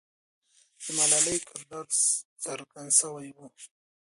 د ملالۍ کردار څرګند سوی وو.